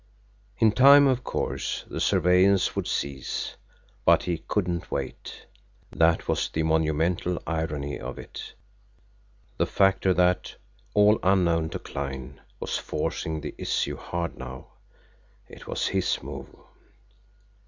In time, of course, the surveillance would cease but he could not wait. That was the monumental irony of it the factor that, all unknown to Kline, was forcing the issue hard now. It was his move.